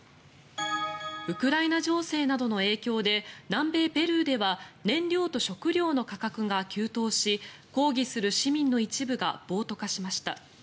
ウクライナ情勢などの影響で南米ペルーでは燃料と食料の価格が急騰し抗議する市民の一部が暴徒化しました。